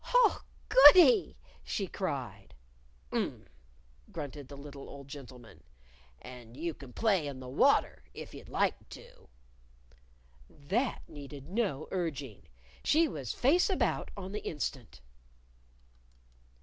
"Oh, goody!" she cried. "Um!" grunted the little old gentleman. "And you can play in the water if you'd like to." That needed no urging! She was face about on the instant.